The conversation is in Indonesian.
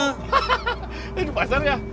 hahaha di pasar ya